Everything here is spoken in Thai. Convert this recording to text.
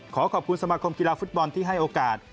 ขอขอบคุณสมาคมกีฬาฟุตบอลที่ให้โอกาส